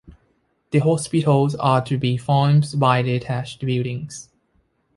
The hospitals are to be formed by detached buildings.